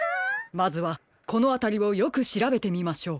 まずはこのあたりをよくしらべてみましょう。